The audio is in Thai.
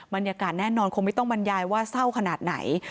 บรรยากาศแน่นอนคงไม่ต้องบรรยายว่าเศร้าขนาดไหน